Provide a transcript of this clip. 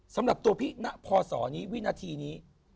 สำหรับตัวพี่ณพศนี้วินาทีนี้